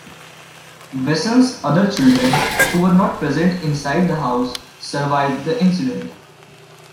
Wesson's other children, who were not present inside the house, survived the incident.